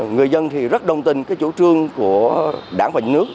người dân thì rất đồng tình cái chủ trương của đảng và nước